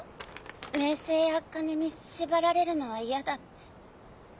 名声や金に縛られるのは嫌だって。